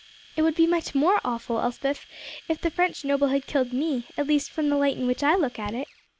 "It would be much more awful, Elspeth, if the French noble had killed me, at least from the light in which I look at it."